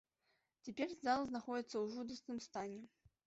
Цяпер зала знаходзіцца ў жудасным стане.